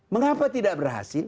mengapa tidak berhasil